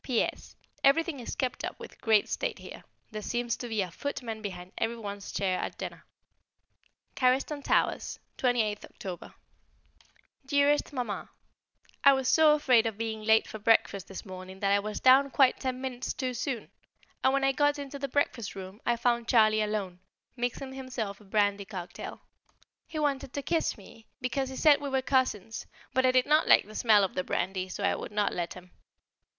P.S. Everything is kept up with great state here; there seems to be a footman behind every one's chair at dinner. Carriston Towers, 28th October. [Sidenote: Charlie's Dissimulation] Dearest Mamma, I was so afraid of being late for breakfast this morning that I was down quite ten minutes too soon, and when I got into the breakfast room I found Charlie alone, mixing himself a brandy cocktail. He wanted to kiss me, because he said we were cousins, but I did not like the smell of the brandy, so I would not let him.